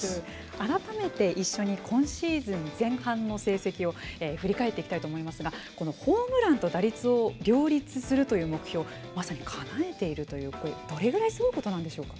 改めて一緒に今シーズン前半の成績を振り返っていきたいと思いますがホームランと打率を両立するという目標まさにかなえているというどれぐらいすごいことなんでしょうか。